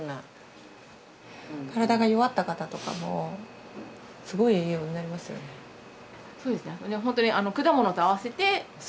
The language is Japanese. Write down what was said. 体が弱った方とかもすごい栄養になりますよね。